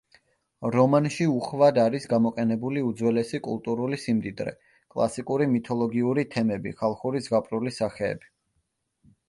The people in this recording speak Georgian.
რომანში უხვად არის გამოყენებული უძველესი კულტურული სიმდიდრე: კლასიკური მითოლოგიური თემები, ხალხური ზღაპრული სახეები.